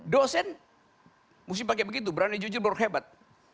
dosen mesti pakai begitu berani jujur baru hebat